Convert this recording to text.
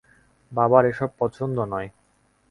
বাবার এসব পছন্দ নয়।